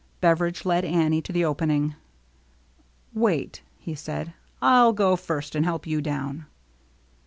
Bever idge led Annie to the opening. "Wait," he said ;" I'll go first, and help you down."